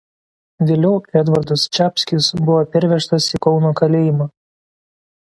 Vėliau Edvardas Čapskis buvo pervežtas į Kauno kalėjimą.